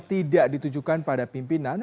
tidak ditujukan pada pimpinan